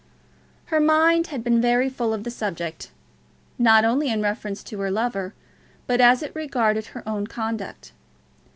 Her mind had been very full of the subject, not only in reference to her lover, but as it regarded her own conduct.